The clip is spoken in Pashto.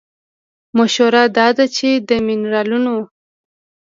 مشوره دا ده چې د مېنرالونو